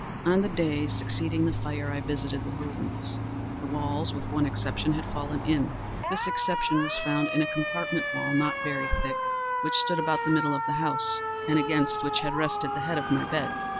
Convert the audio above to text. On the day succeeding the fire, I visited the ruins. The walls, with one exception, had fallen in. This exception was found in a compartment wall, not very thick, which stood about the middle of the house, and against which had rested the head of my bed.